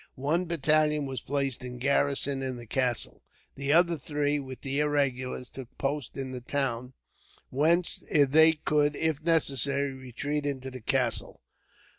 One battalion was placed in garrison in the castle. The other three, with the irregulars, took post in the town, whence they could, if necessary, retreat into the castle.